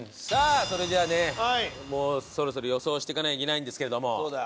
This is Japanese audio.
さあそれではねもうそろそろ予想していかないといけないんですけれども。